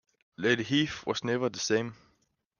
Lady Heath was never the same.